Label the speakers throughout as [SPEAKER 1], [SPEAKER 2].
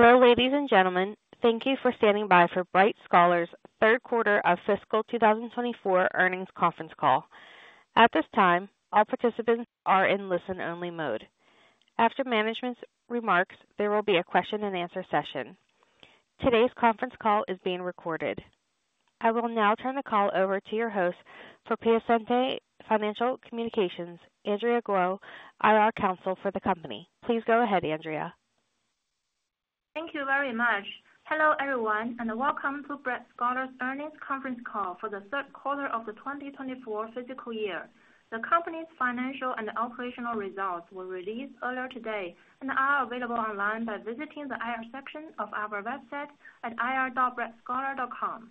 [SPEAKER 1] Hello, ladies and gentlemen. Thank you for standing by for Bright Scholar's third quarter of fiscal 2024 earnings conference call. At this time, all participants are in listen-only mode. After management's remarks, there will be a question and answer session. Today's conference call is being recorded. I will now turn the call over to your host for Piacente Financial Communications, Andrea Guo, IR Counsel for the company. Please go ahead, Andrea.
[SPEAKER 2] Thank you very much. Hello, everyone, and welcome to Bright Scholar's Earnings Conference Call for the third quarter of the 2024 fiscal year. The company's financial and operational results were released earlier today and are available online by visiting the IR section of our website at ir.brightscholar.com.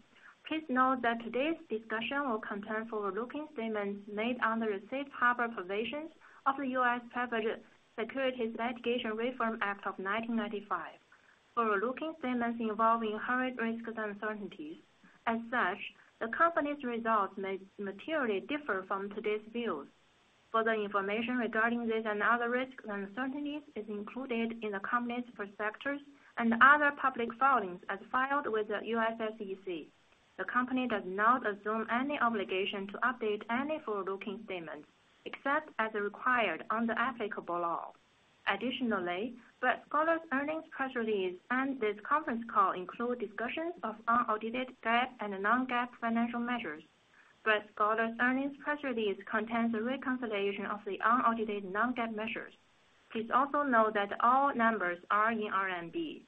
[SPEAKER 2] Please note that today's discussion will contain forward-looking statements made under the safe harbor provisions of the U.S. Private Securities Litigation Reform Act of 1995. Forward-looking statements involving higher risks and uncertainties. As such, the company's results may materially differ from today's views. Further information regarding this and other risks and uncertainties is included in the company's prospectus and other public filings as filed with the U.S. SEC. The company does not assume any obligation to update any forward-looking statements, except as required under applicable law. Additionally, Bright Scholar's earnings press release and this conference call include discussions of unaudited GAAP and non-GAAP financial measures. Bright Scholar's earnings press release contains a reconciliation of the unaudited non-GAAP measures. Please also note that all numbers are in RMB.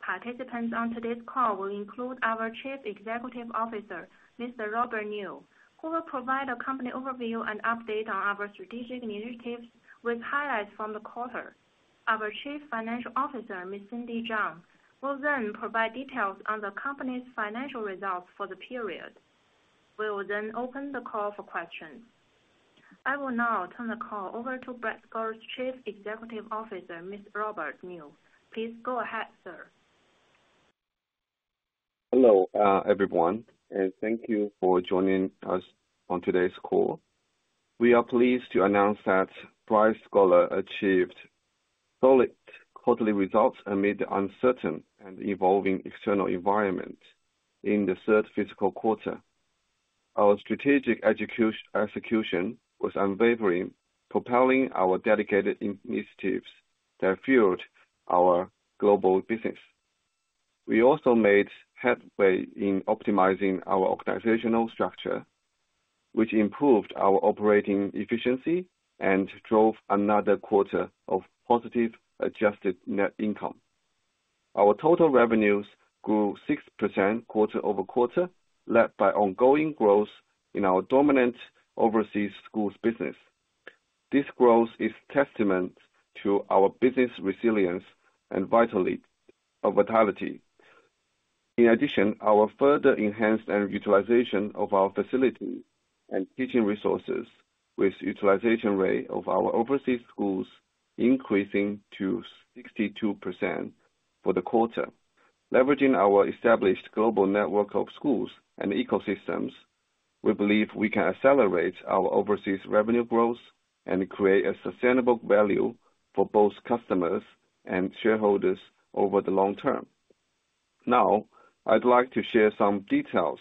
[SPEAKER 2] Participants on today's call will include our Chief Executive Officer, Mr. Robert Niu, who will provide a company overview and update on our strategic initiatives with highlights from the quarter. Our Chief Financial Officer, Ms. Cindy Zhang, will then provide details on the company's financial results for the period. We will then open the call for questions. I will now turn the call over to Bright Scholar's Chief Executive Officer, Mr. Robert Niu. Please go ahead, sir.
[SPEAKER 3] Hello, everyone, and thank you for joining us on today's call. We are pleased to announce that Bright Scholar achieved solid quarterly results amid the uncertain and evolving external environment in the third fiscal quarter. Our strategic execution was unwavering, propelling our dedicated initiatives that fueled our global business. We also made headway in optimizing our organizational structure, which improved our operating efficiency and drove another quarter of positive adjusted net income. Our total revenues grew 6% quarter-over-quarter, led by ongoing growth in our dominant overseas schools business. This growth is testament to our business resilience and vitally, our vitality. In addition, our further enhanced utilization of our facilities and teaching resources, with utilization rate of our overseas schools increasing to 62% for the quarter. Leveraging our established global network of schools and ecosystems, we believe we can accelerate our overseas revenue growth and create a sustainable value for both customers and shareholders over the long term. Now, I'd like to share some details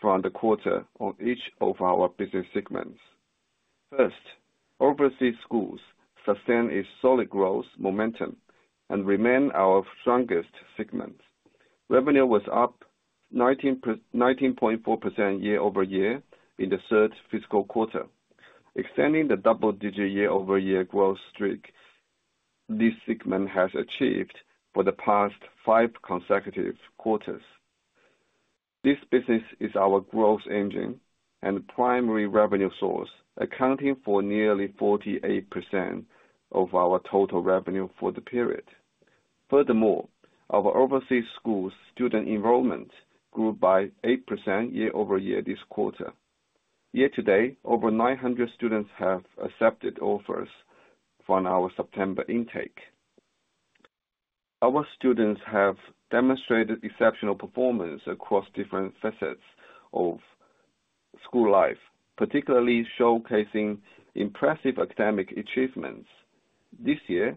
[SPEAKER 3] from the quarter on each of our business segments. First, overseas schools sustain a solid growth momentum and remain our strongest segment. Revenue was up 19.4% year-over-year in the third fiscal quarter, extending the double-digit year-over-year growth streak this segment has achieved for the past 5 consecutive quarters. This business is our growth engine and primary revenue source, accounting for nearly 48% of our total revenue for the period. Furthermore, our overseas school student enrollment grew by 8% year-over-year this quarter. Year to date, over 900 students have accepted offers from our September intake. Our students have demonstrated exceptional performance across different facets of school life, particularly showcasing impressive academic achievements. This year,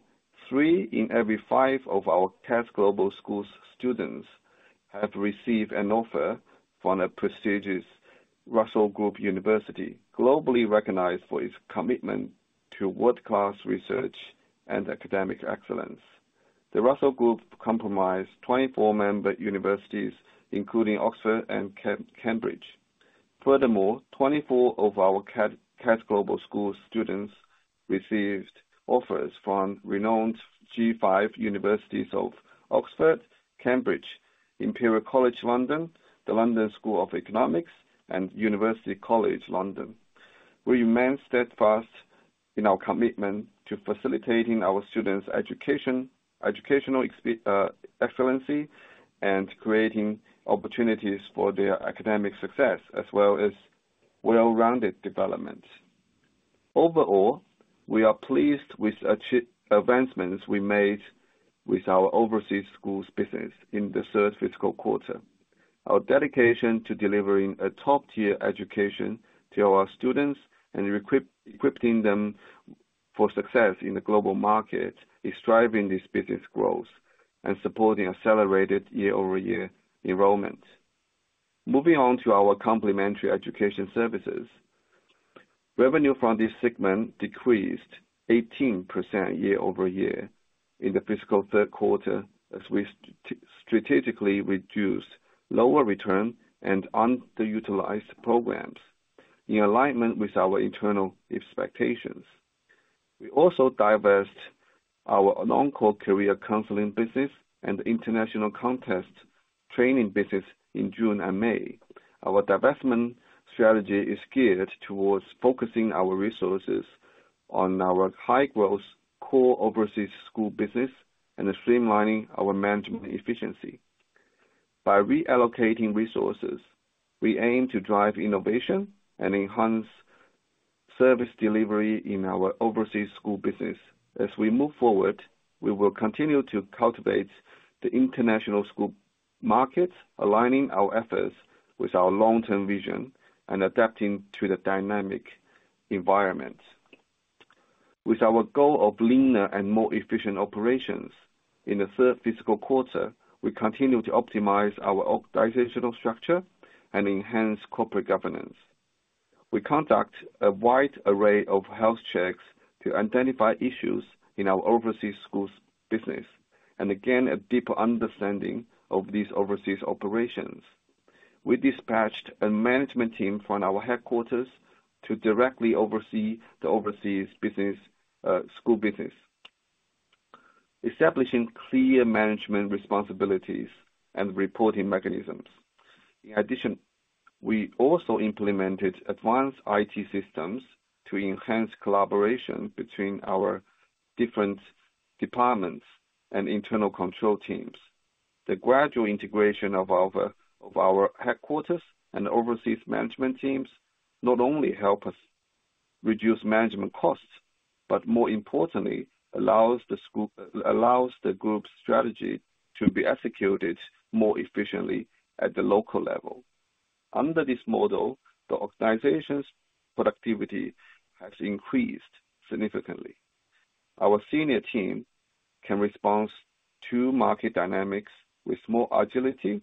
[SPEAKER 3] 3 in every 5 of our CATS Global Schools students have received an offer from the prestigious Russell Group University, globally recognized for its commitment to world-class research and academic excellence. The Russell Group comprise 24 member universities, including Oxford and Cambridge. Furthermore, 24 of our CATS Global Schools students received offers from renowned G5 universities of Oxford, Cambridge, Imperial College London, the London School of Economics, and University College London. We remain steadfast in our commitment to facilitating our students' education, educational excellency, and creating opportunities for their academic success, as well as well-rounded development. Overall, we are pleased with advancements we made with our overseas schools business in the third fiscal quarter. Our dedication to delivering a top-tier education to our students and equipping them for success in the global market, is driving this business growth and supporting accelerated year-over-year enrollment. Moving on to our complementary education services. Revenue from this segment decreased 18% year-over-year in the fiscal third quarter, as we strategically reduced lower return and underutilized programs, in alignment with our internal expectations. We also divested our non-core career counseling business and international contest training business in June and May. Our divestment strategy is geared towards focusing our resources on our high-growth core overseas school business and streamlining our management efficiency. By reallocating resources, we aim to drive innovation and enhance service delivery in our overseas school business. As we move forward, we will continue to cultivate the international school market, aligning our efforts with our long-term vision and adapting to the dynamic environment. With our goal of leaner and more efficient operations, in the third fiscal quarter, we continued to optimize our organizational structure and enhance corporate governance. We conduct a wide array of health checks to identify issues in our overseas schools business, and again, a deeper understanding of these overseas operations. We dispatched a management team from our headquarters to directly oversee the overseas business, school business, establishing clear management responsibilities and reporting mechanisms. In addition, we also implemented advanced IT systems to enhance collaboration between our different departments and internal control teams. The gradual integration of our headquarters and overseas management teams, not only help us reduce management costs, but more importantly, allows the group's strategy to be executed more efficiently at the local level. Under this model, the organization's productivity has increased significantly. Our senior team can respond to market dynamics with more agility,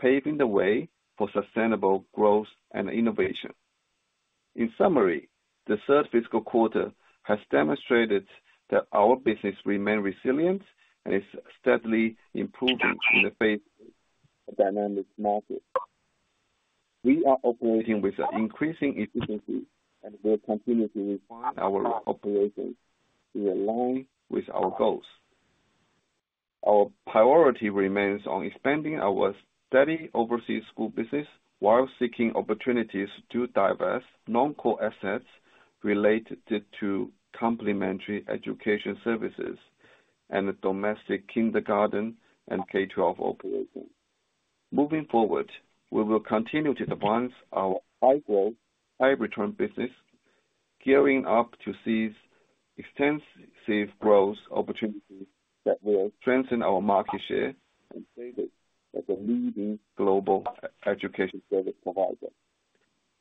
[SPEAKER 3] paving the way for sustainable growth and innovation. In summary, the third fiscal quarter has demonstrated that our business remains resilient and is steadily improving in the face of a dynamic market. We are operating with increasing efficiency and will continue to refine our operations to align with our goals. Our priority remains on expanding our steady overseas school business while seeking opportunities to divest non-core assets related to complementary education services and the domestic kindergarten and K-12 operations. Moving forward, we will continue to advance our high-growth, high-return business, gearing up to seize extensive growth opportunities that will strengthen our market share and save it as a leading global education service provider.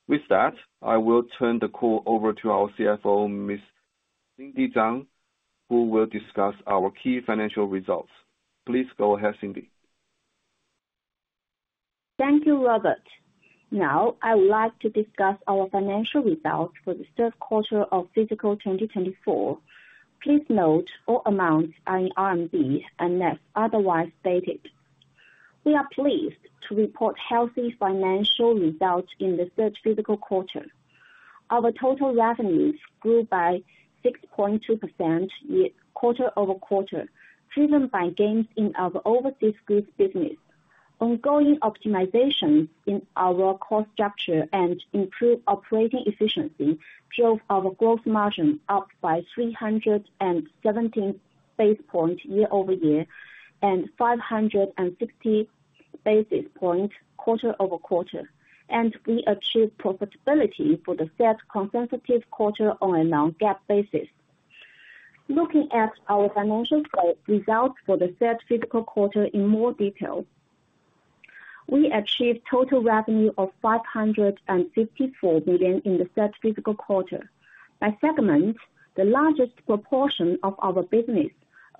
[SPEAKER 3] With that, I will turn the call over to our CFO, Ms. Cindy Zhang, who will discuss our key financial results. Please go ahead, Cindy.
[SPEAKER 4] Thank you, Robert. Now, I would like to discuss our financial results for the third quarter of fiscal 2024. Please note, all amounts are in RMB, unless otherwise stated. We are pleased to report healthy financial results in the third fiscal quarter. Our total revenues grew by 6.2% quarter-over-quarter, driven by gains in our overseas groups business. Ongoing optimization in our cost structure and improved operating efficiency drove our gross margin up by 317 basis points year-over-year, and 560 basis points quarter-over-quarter. We achieved profitability for the third consecutive quarter on a non-GAAP basis. Looking at our financial results for the third fiscal quarter in more detail. We achieved total revenue of 554 million in the third fiscal quarter. By segment, the largest proportion of our business,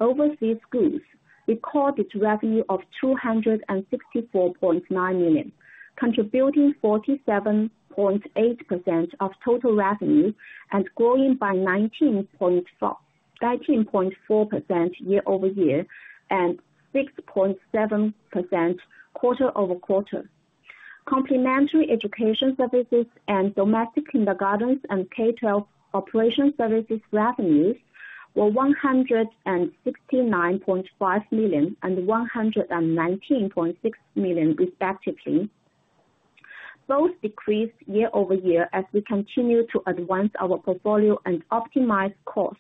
[SPEAKER 4] overseas schools, recorded revenue of 264.9 million, contributing 47.8% of total revenue, and growing by 19.4, 19.4% year-over-year, and 6.7% quarter-over-quarter. Complementary education services and domestic kindergartens and K-12 operation services revenues were 169.5 million and 119.6 million respectively. Those decreased year-over-year as we continue to advance our portfolio and optimize costs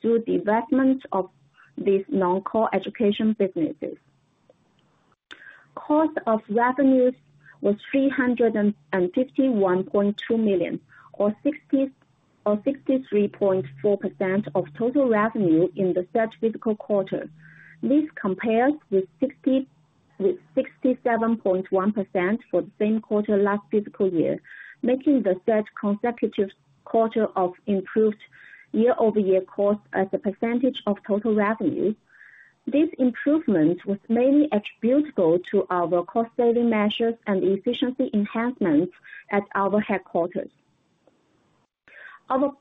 [SPEAKER 4] through the divestment of these non-core education businesses. Cost of revenues was 351.2 million, or 63.4% of total revenue in the third fiscal quarter. This compares with 67.1% for the same quarter last fiscal year, making the third consecutive quarter of improved year-over-year cost as a percentage of total revenue. This improvement was mainly attributable to our cost saving measures and efficiency enhancements at our headquarters. Our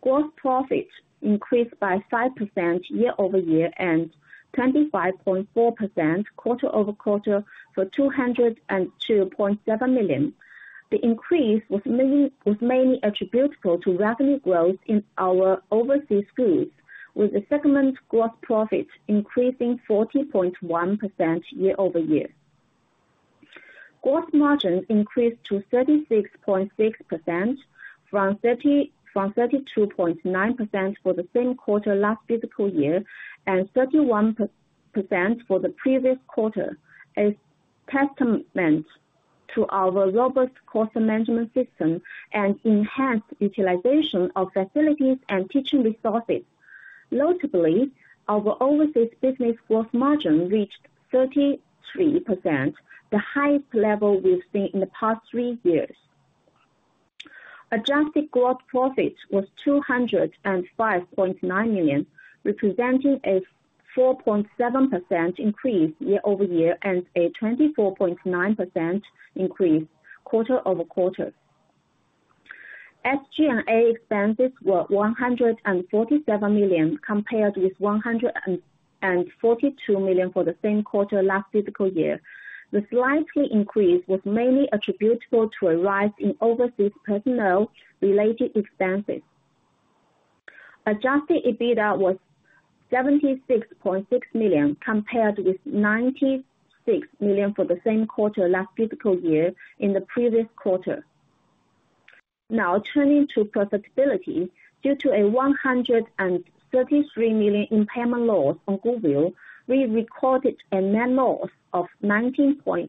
[SPEAKER 4] gross profit increased by 5% year-over-year and 25.4% quarter-over-quarter for 202.7 million. The increase was mainly attributable to revenue growth in our overseas groups, with the segment gross profit increasing 40.1% year-over-year. Gross margin increased to 36.6% from 32.9% for the same quarter last fiscal year, and 31% for the previous quarter, a testament to our robust cost management system and enhanced utilization of facilities and teaching resources. Notably, our overseas business growth margin reached 33%, the highest level we've seen in the past three years. Adjusted gross profit was 205.9 million, representing a 4.7% increase year-over-year and a 24.9% increase quarter-over-quarter. SG&A expenses were 147 million, compared with 142 million for the same quarter last fiscal year. The slight increase was mainly attributable to a rise in overseas personnel related expenses. Adjusted EBITDA was 76.6 million, compared with 96 million for the same quarter last fiscal year in the previous quarter. Now, turning to profitability. Due to a 133 million impairment loss on Goodwill, we recorded a net loss of 90.3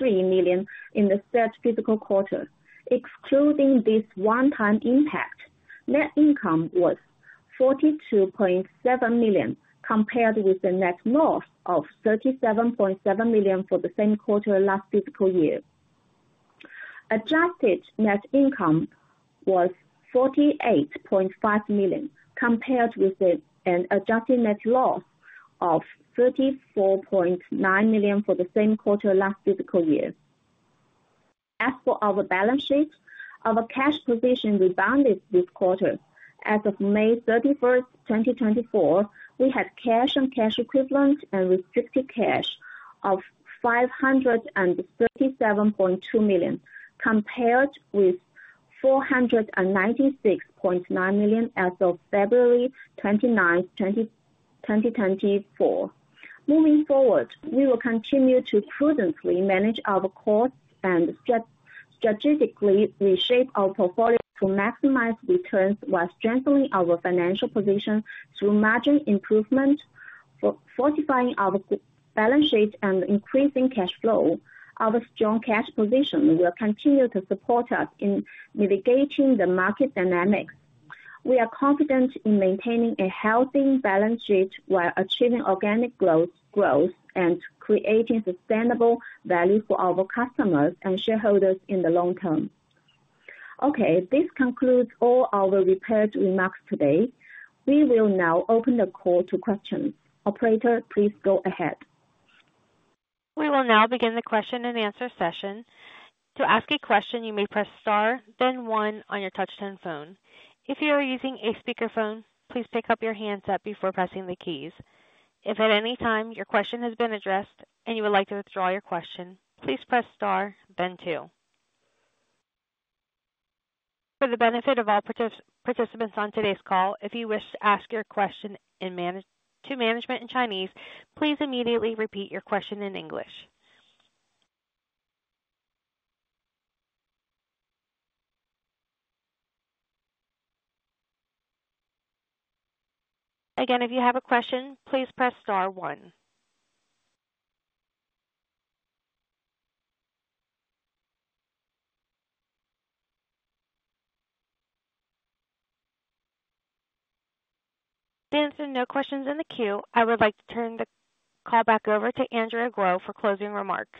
[SPEAKER 4] million in the third fiscal quarter. Excluding this one-time impact, net income was 42.7 million, compared with a net loss of 37.7 million for the same quarter last fiscal year. Adjusted Net Income was 48.5 million, compared with an adjusted net loss of 34.9 million for the same quarter last fiscal year. As for our balance sheet, our cash position rebounded this quarter. As of May 31, 2024, we had cash and cash equivalents and restricted cash of 537.2 million, compared with 496.9 million as of February 29, 2024. Moving forward, we will continue to prudently manage our costs and strategically reshape our portfolio to maximize returns while strengthening our financial position through margin improvement, for fortifying our balance sheet and increasing cash flow. Our strong cash position will continue to support us in mitigating the market dynamics. We are confident in maintaining a healthy balance sheet while achieving organic growth, growth, and creating sustainable value for our customers and shareholders in the long term. Okay, this concludes all our prepared remarks today. We will now open the call to questions. Operator, please go ahead.
[SPEAKER 1] We will now begin the question and answer session. To ask a question, you may press star, then one on your touchtone phone. If you are using a speakerphone, please pick up your handset before pressing the keys. If at any time your question has been addressed and you would like to withdraw your question, please press star, then two. For the benefit of all participants on today's call, if you wish to ask your question to management in Chinese, please immediately repeat your question in English. Again, if you have a question, please press star one. Since there are no questions in the queue, I would like to turn the call back over to Andrea Guo for closing remarks.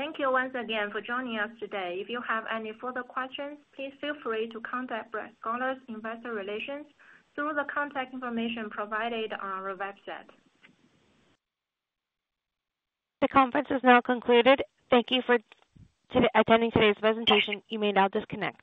[SPEAKER 4] Thank you once again for joining us today. If you have any further questions, please feel free to contact Brett Garner's Investor Relations through the contact information provided on our website.
[SPEAKER 1] The conference is now concluded. Thank you for attending today's presentation. You may now disconnect.